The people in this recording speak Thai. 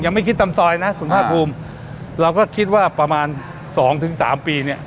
ไม่คิดตามซอยนะคุณภาคภูมิเราก็คิดว่าประมาณสองถึงสามปีเนี่ย